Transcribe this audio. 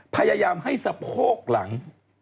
พยายามให้สะโพกหลัง